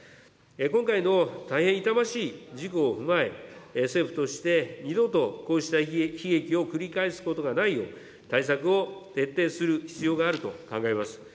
今回の大変痛ましい事故を踏まえ、政府として、二度とこうした悲劇を繰り返すことがないよう、対策を徹底する必要があると考えます。